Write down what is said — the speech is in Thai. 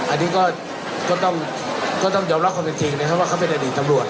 อันนี้ก็ต้องยอมรับความเป็นจริงนะครับว่าเขาเป็นอดีตตำรวจ